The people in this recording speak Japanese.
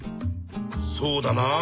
そうだなあ。